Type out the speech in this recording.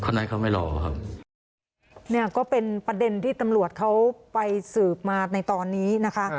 นี่ก็เป็นประเด็นที่ตำรวจเขาไปสืบมาในตอนนี้นะคะ